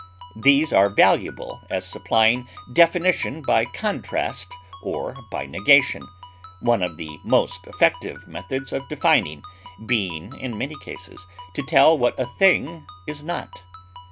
These are valuable as supplying definition by contrast or by negation, one of the most effective methods of defining being in many cases to tell what a thing is not.